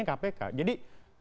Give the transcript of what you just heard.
jadi kalau icw terima duit dari kpk